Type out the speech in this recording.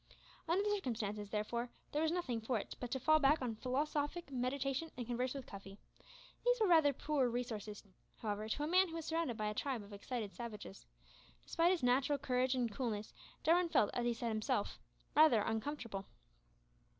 Under the circumstances, there was therefore nothing for it but to fall back on philosophic meditation and converse with Cuffy. These were rather poor resources, however, to a man who was surrounded by a tribe of excited savages. Despite his natural courage and coolness, Jarwin felt, as he said himself, "raither oncomfortable."